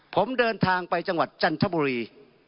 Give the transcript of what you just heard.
ผมเดินทางไปจังหวัดจันทบุรี